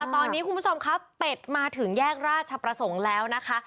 ตอนนี้คุณผู้ชมครับเป็ดมาถึงแยกราชประสงค์แล้วนะคะ